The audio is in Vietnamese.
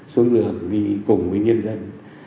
xuống đường đi cùng với nhân dân